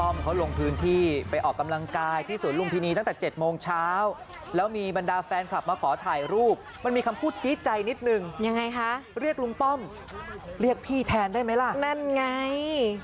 มันมีคำพูดจี้ใจนิดหนึ่งยังไงคะเรียกลุงป้อมเรียกพี่แทนได้ไหมล่ะนั่นไง